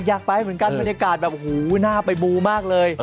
อยากไปเหมือนกันบรรยากาศแบบโอ้โหน่าไปมูมากเลย